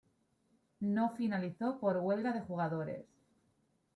No finalizó por huelga de jugadores.